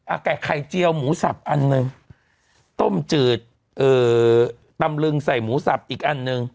ไก่ไข่เจียวหมูสับอันหนึ่งต้มจืดเอ่อตำลึงใส่หมูสับอีกอันหนึ่ง